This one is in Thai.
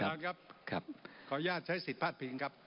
ท่านครับขออนุญาตใช้สิทธิ์พลาดพิงครับ